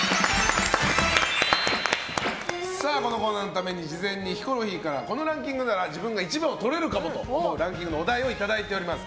このコーナーのために事前にヒコロヒーからこのランキングなら自分が１番取れるかもと思うランキングのお題をいただいております。